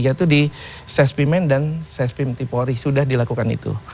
yaitu di sesbimen dan sesbimti polri sudah dilakukan itu